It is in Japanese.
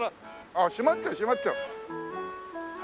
ああ閉まっちゃう閉まっちゃう。